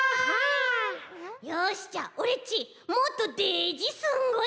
よしじゃあオレっちもっとでーじすんごい